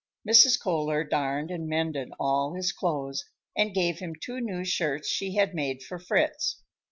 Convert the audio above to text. Mrs. Kohler darned and mended all his clothes, and gave him two new shirts she had made for Fritz.